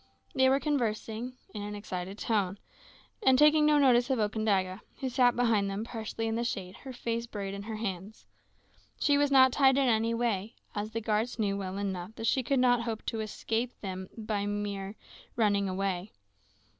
They were conversing in an excited tone, and taking no notice of Okandaga, who sat behind them, partially in the shade, with her face buried in her hands. She was not tied in any way, as the guards knew well enough that she could not hope to escape them by mere running way.